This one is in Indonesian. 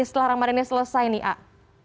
setelah ramadhan selesai nih